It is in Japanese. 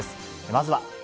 まずは。